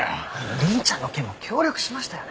凛ちゃんの件は協力しましたよね。